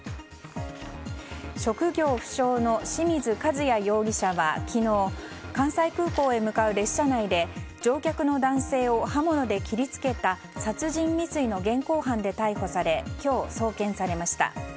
職業不詳の清水和也容疑者は昨日関西空港へ向かう列車内で乗客の男性を刃物で切り付けた殺人未遂の現行犯で逮捕され今日、送検されました。